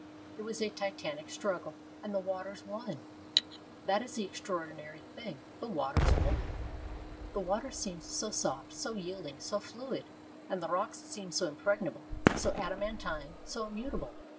It was a titanic struggle, and the waters won. That is the extraordinary thing the waters won. The water seems so soft, so yielding, so fluid, and the rocks seem so impregnable, so adamantine, so immutable.